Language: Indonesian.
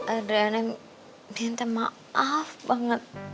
adriana minta maaf banget